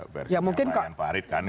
versi kekayaan farid kan